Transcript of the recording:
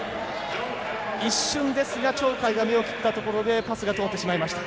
一瞬ですが、鳥海を目を切ったところでパスが通ってしまいました。